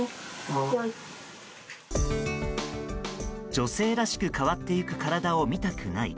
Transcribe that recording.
女性らしく変わっていく体を見たくない。